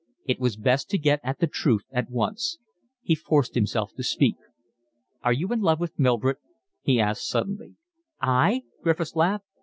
It was best to get at the truth at once. He forced himself to speak. "Are you in love with Mildred?" he asked suddenly. "I?" Griffiths laughed.